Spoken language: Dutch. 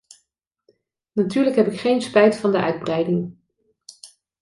Natuurlijk heb ik geen spijt van de uitbreiding.